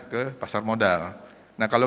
ke pasar modal nah kalau